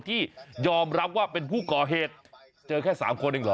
ที่ยอมรับว่าเป็นผู้ก่อเหตุเจอแค่๓คนเองเหรอ